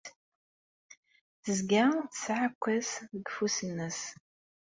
Tezga tesɛa aɛekkaz deg ufus-nnes.